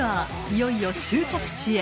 いよいよ終着地へ］